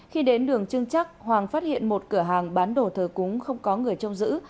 khi đến đường trưng chắc hoàng phát hiện một cửa hàng bán đồ thờ cúng không có người trông giữ